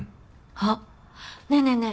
あっねえねえねえ